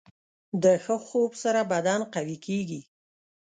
د ښه خوب سره بدن قوي کېږي.